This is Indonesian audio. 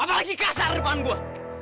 apalagi kasar depan gua